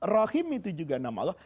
rahim itu juga nama allah